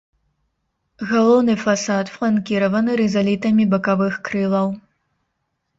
Галоўны фасад фланкіраваны рызалітамі бакавых крылаў.